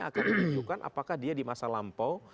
akan ditunjukkan apakah dia di masa lampau